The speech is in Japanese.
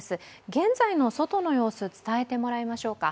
現在の外の様子を伝えてもらいましょうか。